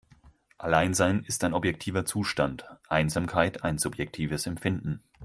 Alleinsein ist ein objektiver Zustand, Einsamkeit ein subjektives Empfinden.